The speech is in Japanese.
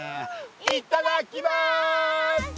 いっただきます！